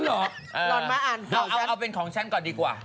หรอนมาอ่านเอาเป็นของฉันก่อนดีกว่า